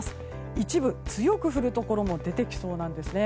一部、強く降るところも出てきそうです。